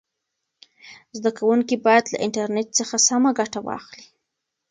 زده کوونکي باید له انټرنیټ څخه سمه ګټه واخلي.